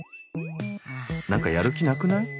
なんかやる気なくない？